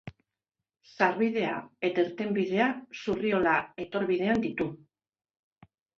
Sarbidea eta irtenbidea Zurriola etorbidean ditu.